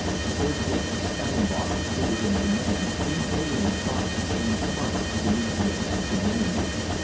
Sir Jacob Stellenbosch, who was in command, in vain tried to change front to meet the advancing enemy.